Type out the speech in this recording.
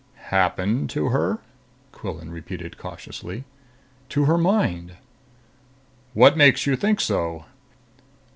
"Happened to her?" Quillan repeated cautiously. "To her mind." "What makes you think so?"